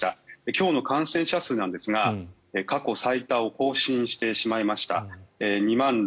今日の感染者数なんですが過去最多を更新してしまいました。